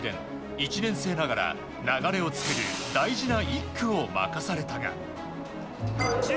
１年生ながら流れを作る大事な１区を任されたが。